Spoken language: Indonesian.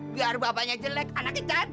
biar bapaknya jelek anaknya gantik